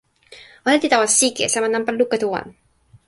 ona li tawa sike, sama nanpa luka tu wan.